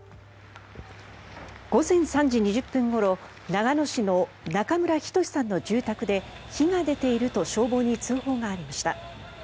午前３時２０分ごろ長野市の中村均さんの住宅で火が出ていると消防に通報がありました。